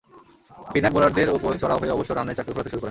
পিনাক বোলারদের ওপর চড়াও হয়ে অবশ্য রানের চাকা ঘোরাতে শুরু করেন।